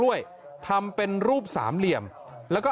ด้วยทำเป็นรูปสามเหลี่ยมแล้วก็